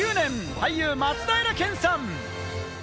俳優・松平健さん。